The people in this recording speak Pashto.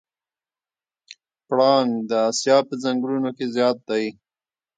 پړانګ د اسیا په ځنګلونو کې زیات دی.